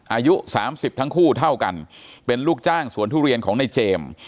อายุ๓๐ทั้งคู่เท่ากันเป็นลูกจ้างสวนทุเรียนของในเจมส์